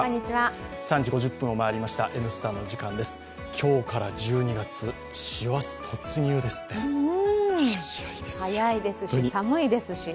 今日から１２月師走突入ですね。